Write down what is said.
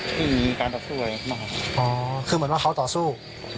โอ้คือเหมือนว่าเขาต่อสู้